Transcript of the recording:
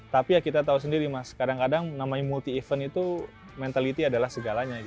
tapi kita tahu sendiri mas kadang kadang multi event itu mentaliti adalah segalanya